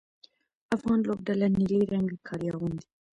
افغان لوبډله نیلي رنګه کالي اغوندي.